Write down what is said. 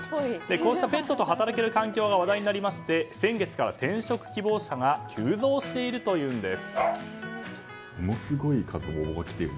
こうしたペットと働ける環境が話題になりまして先月から転職希望者が急増しているというんです。